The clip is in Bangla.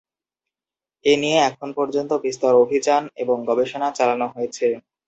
এ নিয়ে এখন পর্যন্ত বিস্তর অভিযান এবং গবেষণা চালান হয়েছে।